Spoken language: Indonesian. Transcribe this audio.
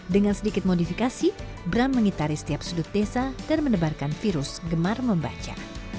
dengan sedikit modifikasi bram mengitari setiap sudut desa dan mendebarkan virus gemar membaca